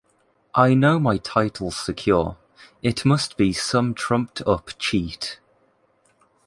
I know my title's secure, it must be some trumped-up cheat.